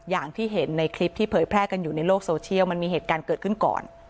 อย่างที่เห็นในคลิปที่เผยแพร่กันอยู่ในโลกโซเชียลมันมีเหตุการณ์เกิดขึ้นก่อน